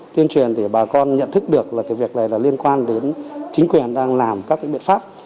tuyên truyền để bà con nhận thức được là cái việc này là liên quan đến chính quyền đang làm các biện pháp